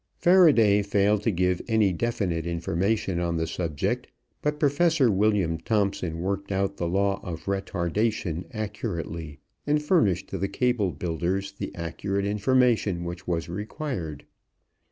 Faraday failed to give any definite information on the subject, but Professor William Thomson worked out the law of retardation accurately and furnished to the cable builders the accurate information which was required.